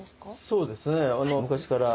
そうですね。